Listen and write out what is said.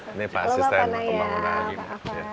ini pak asisten pembangunan